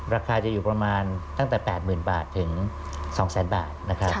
ราคาจะอยู่ประมาณตั้งแต่๘๐๐๐๐บาทถึง๒๐๐๐๐๐บาท